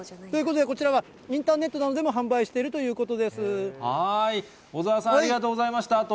ということで、こちらはインターネットなどでも販売しているとい小澤さん、ありがとうございました。